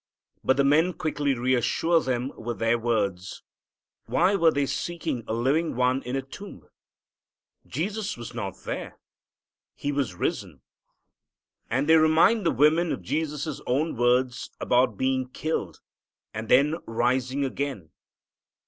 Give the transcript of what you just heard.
But the men quickly reassure them with their words. Why were they seeking a living One in a tomb? Jesus was not there. He was risen. And they remind the women of Jesus' own words about being killed and then rising again.